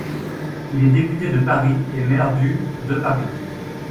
Il est député de Paris et maire du de Paris.